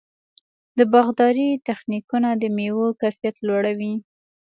د باغدارۍ تخنیکونه د مېوو کیفیت لوړوي.